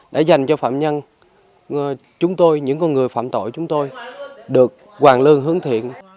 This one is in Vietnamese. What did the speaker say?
đã dành cho phạm nhân chúng tôi những con người phạm tội chúng tôi được hoàn lương hướng thiện